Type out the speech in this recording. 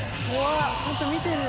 あちゃんと見てる。